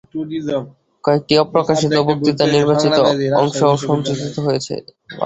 কয়েকটি অপ্রকাশিত বক্তৃতার নির্বাচিত অংশও সংযোজিত হইয়াছে।